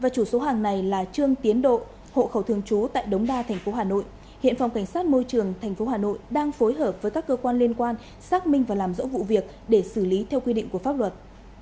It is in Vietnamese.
chủ số hàng này là trương tiến độ hộ khẩu thường trú tại đống đa tp hà nội hiện phòng cảnh sát môi trường tp hà nội đang phối hợp với các cơ quan liên quan xác minh và làm rõ vụ việc để xử lý theo quy định của pháp luật